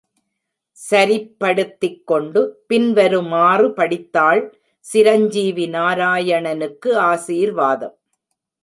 சரிப்படுத்திக் கொண்டு, பின்வருமாறு படித்தாள் சிரஞ்சீவி நாராயணனுக்கு ஆசீர்வாதம்.